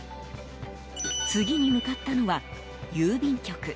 次に向かったのは、郵便局。